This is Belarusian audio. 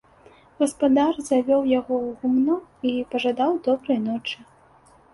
Гаспадар завёў яго ў гумно і пажадаў добрай ночы.